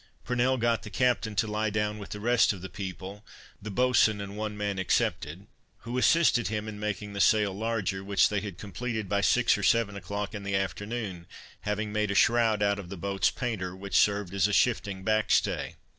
Purnell got the captain to lie down with the rest of the people, the boatswain and one man excepted, who assisted him in making the sail larger, which they had completed by six or seven o'clock in the afternoon, having made a shroud out of the boat's painter, which served as a shifting back stay.